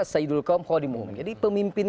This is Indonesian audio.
sayidul kaum ho di mu'um jadi pemimpin